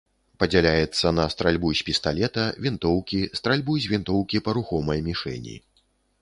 Падзяляецца на стральбу з пісталета, вінтоўкі, стральбу з вінтоўкі па рухомай мішэні.